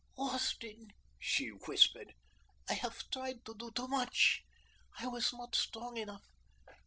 "Austin," she whispered, "I have tried to do too much. I was not strong enough.